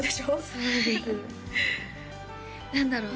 そうです何だろう